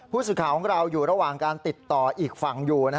ผู้สื่อข่าวของเราอยู่ระหว่างการติดต่ออีกฝั่งอยู่